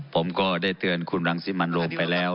ผมก็ได้เตือนคุณรังสิมันโรมไปแล้ว